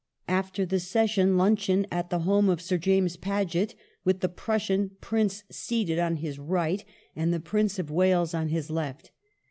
"After the session, luncheon at the home of Sir James Paget, with the Prussian Prince seated on his right and the Prince of Wales on his left.